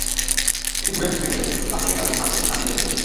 এটি ঘুরে ফেরে কাল থেকে কালে, স্থান থেকে স্থানে, দেশ থেকে দেশে।